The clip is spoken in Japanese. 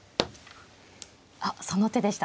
あっその手でした。